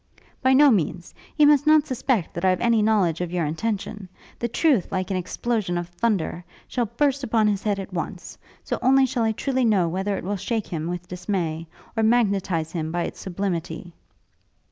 'By no means. He must not suspect that I have any knowledge of your intention. The truth, like an explosion of thunder, shall burst upon his head at once. So only shall I truly know whether it will shake him with dismay or magnetize him by its sublimity.'